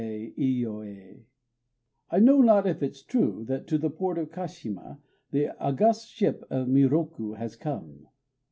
_I know not if 't is true That to the port of Kashima The august ship of Miroku has come!